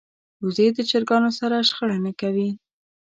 وزې د چرګانو سره شخړه نه کوي